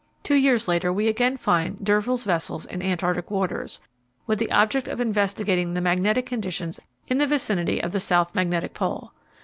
Two years later we again find d'Urville's vessels in Antarctic waters, with the object of investigating the magnetic conditions in the vicinity of the South Magnetic Pole.